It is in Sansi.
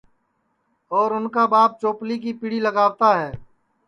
اور اُن کا ٻاپ چوپلی کی پیڑی لگاوتا ہے